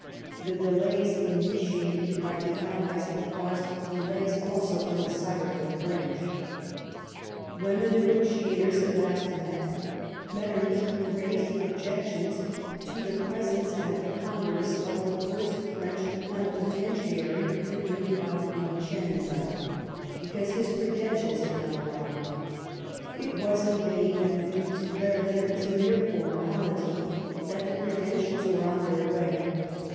The delays initiated by the Allies caused delays also on the side of the French. W'iien the negotiators at last met, Metter nich raised objections to the presence at the Congress of the first French ])lenipotentiary, the Duke of Vicenza, BENEWAL OF HOSTILITIES. 110 because his credentials had not arrived. It was in vain that the Duke declared that it was a mere formality, that the credentials were on their way.